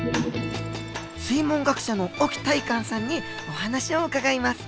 水文学者の沖大幹さんにお話を伺います。